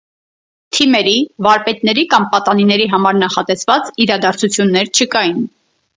Թիմերի, վարպետների կամ պատանիների համար նախատեսված իրադարձություններ չկային։